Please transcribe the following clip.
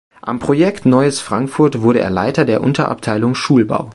Am Projekt Neues Frankfurt wurde er Leiter der Unterabteilung Schulbau.